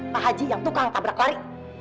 pak haji yang tukang tabrak lari